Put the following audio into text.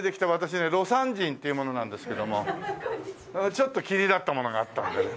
ちょっと気になったものがあったんでね。